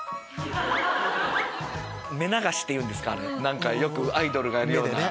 目流しっていうんですかよくアイドルがやるような。